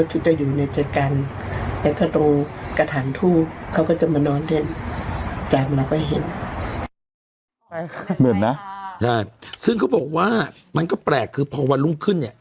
เห็นไหมซึ่งเขาบอกว่ามันก็แปลกคือพอวันรุ่งขึ้นเนี่ย